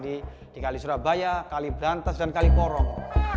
di kali surabaya kaliberantas dan kaliporong